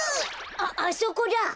あっあそこだ。